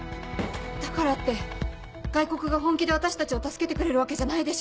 だからって外国が本気で私たちを助けてくれるわけじゃないでしょう？